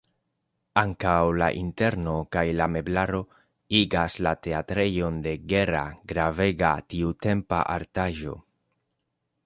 Ankaŭ la interno kaj la meblaro igas la teatrejon de Gera gravega tiutempa artaĵo.